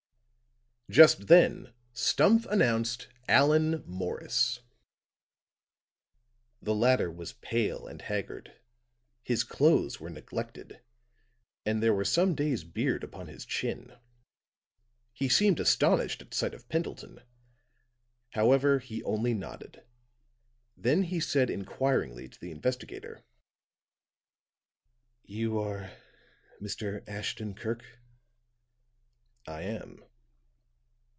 Just then Stumph announced Allan Morris. The latter was pale and haggard; his clothes were neglected, and there were some days' beard upon his chin. He seemed astonished at sight of Pendleton; however, he only nodded. Then he said inquiringly to the investigator: "You are Mr. Ashton Kirk?" "I am.